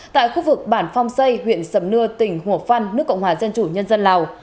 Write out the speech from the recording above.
tại khu vực bản phong xây huyện sầm nưa tỉnh hồ phan nước cộng hòa dân chủ nhân dân lào